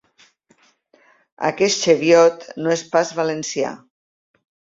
Aquest xeviot no és pas valencià.